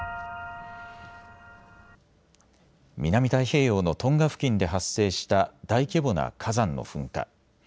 南太平洋のトンガ付近で発生した大規模な火山の噴火。